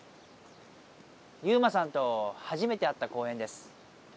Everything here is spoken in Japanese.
ユウマさんとはじめて会った公園です。